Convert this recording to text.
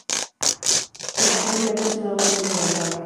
Conceptualmente es una obra muy avanzada.